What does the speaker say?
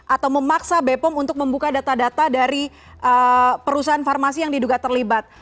atau memaksa bepom untuk membuka data data dari perusahaan farmasi yang diduga terlibat